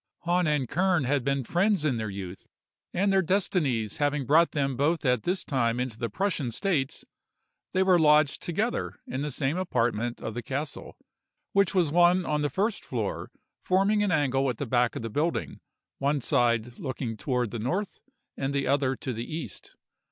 "Hahn and Kern had been friends in their youth, and their destinies having brought them both at this time into the Prussian states, they were lodged together in the same apartment of the castle, which was one on the first floor, forming an angle at the back of the building, one side looking toward the north and the other to the east.